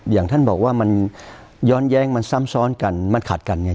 อย่างท่านบอกว่ามันย้อนแย้งมันซ้ำซ้อนกันมันขาดกันเนี่ย